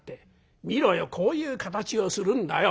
見ろよこういう形をするんだよ！」。